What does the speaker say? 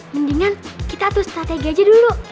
mendingan kita atur strategi aja dulu